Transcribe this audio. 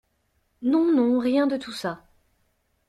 Non, non, rien de tout ça.